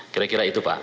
kira kira itu pak